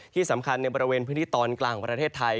ที่สำคัญในบริเวณพื้นที่ตอนกลางของประเทศไทย